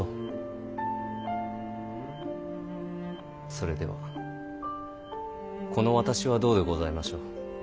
それではこの私はどうでございましょう。